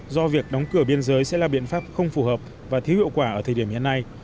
do việc đóng cửa biên giới sẽ là biện pháp không phù hợp và thiếu hiệu quả ở thời điểm hiện nay